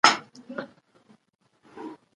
د قالینې پر ګلانو باندې د هغې سترګې ونښتې.